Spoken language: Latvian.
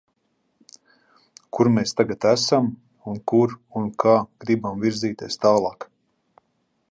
Kur mēs tagad esam un kur un kā gribam virzīties tālāk.